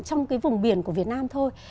trong cái vùng biển của việt nam thôi